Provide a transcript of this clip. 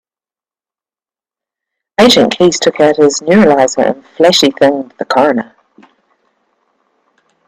Agent Keys took out his neuralizer and flashy-thinged the coroner.